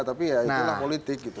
tapi ya itulah politik gitu